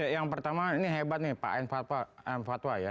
yang pertama ini hebat nih pak fatwa ya